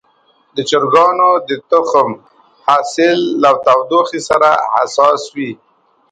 د چرګانو د تخم حاصل له تودوخې سره حساس وي.